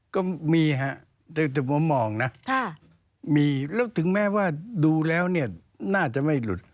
ก็มีฮะแต่ผมมองนะมีแล้วถึงแม้ว่าดูแล้วเนี่ยน่าจะไม่หลุด